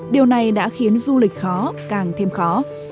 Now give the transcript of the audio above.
điều này đã khiến du lịch khó càng thêm khó